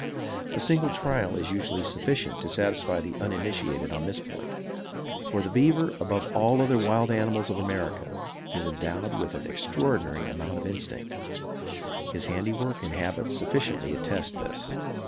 A single trial is usually sufficient to satisfy the uninitiated on this point; for, the beaver, above all other wild animals of America is endowed with an extraordinary amount of instinct. His handiwork and habits sufficiently attest this.